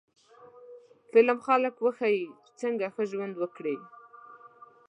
فلم خلک وښيي چې څنګه ښه ژوند وکړي